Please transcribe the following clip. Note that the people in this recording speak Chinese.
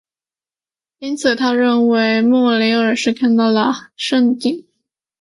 因此他认为莫雷尔是看到了蜃景。